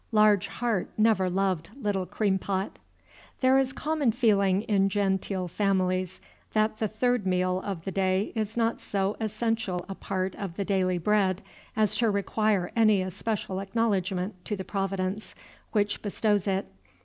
Large heart never loved little cream pot. There is a common feeling in genteel families that the third meal of the day is not so essential a part of the daily bread as to require any especial acknowledgment to the Providence which bestows it.